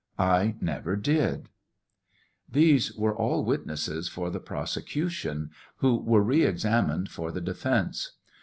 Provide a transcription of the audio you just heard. I never did. These were all witnesses for the prosecution, who were re examined for the defence.